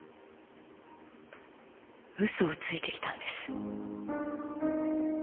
嘘をついてきたんです。